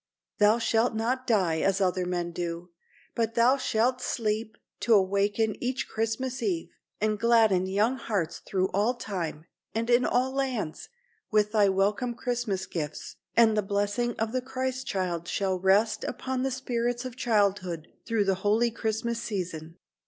Thou shalt not die as other men do, but thou shalt sleep, to awaken each Christmas eve, and gladden young hearts through all time, and in all lands, with thy welcome Christmas gifts, and the blessing of the Christ child shall rest upon the spirits of childhood through the holy Christmas season."